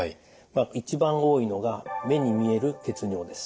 一番多いのが目に見える血尿です。